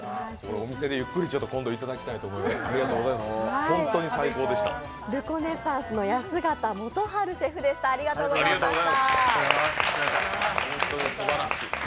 お店でゆっくり今度いただきたいと思います。